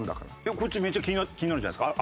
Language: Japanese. こっちめっちゃ気になるんじゃないですか？